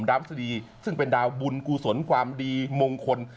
ดาวพฤษฎีซึ่งเป็นดาวบุญกูสนความดีมงคล